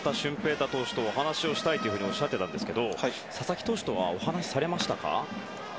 大投手とお話をしたいというふうにおっしゃっていたんですが佐々木投手とはお話しされましたか？